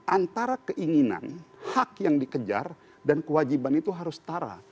antara keinginan hak yang dikejar dan kewajiban itu harus setara